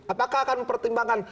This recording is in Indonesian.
apakah akan mempertimbangkan